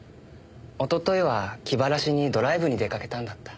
一昨日は気晴らしにドライブに出かけたんだった。